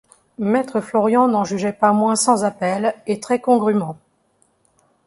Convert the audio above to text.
Maître Florian n’en jugeait pas moins sans appel et très congrûment.